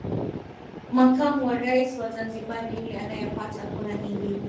Makamu wa rais wa Zanzibar ni yule anayepata kura nyingi